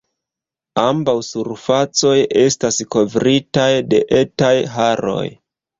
Ambaŭ surfacoj estas kovritaj de etaj haroj.